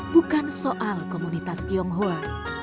bukan soal komunitas tionghoa